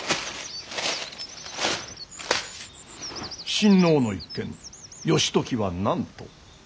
親王の一件義時は何と。